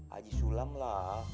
haji sulam lah